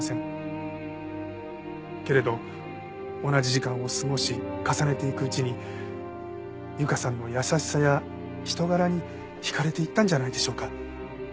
けれど同じ時間を過ごし重ねていくうちに優香さんの優しさや人柄に惹かれていったんじゃないでしょうか？